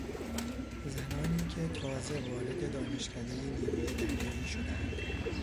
زنانی که تازه وارد دانشکدهی نیروی دریایی شدهاند